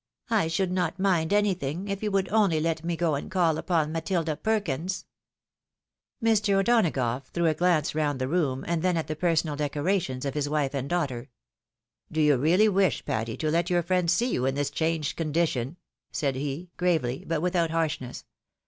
I should not mind anything if you would only let me go and call upon Matilda Perkins !" Mr. O'Donagough threw a glance round the room, and then at the personal decorations of his wife and daughter. " Do you really wish, Patty, to let your friends see you in this changed condition ?" said he, gravely, but without harsh ness.